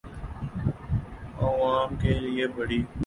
آعوام کے لئے بڑی